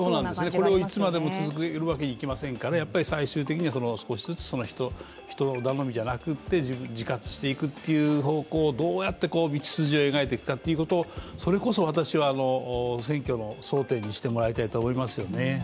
これをいつまでも続けるわけにはいきませんからやっぱり最終的には人頼みじゃなくて自活していくという方向へどうやって道筋を描いていくかそれこそ私は選挙の争点にしてもらいたいと思いますよね。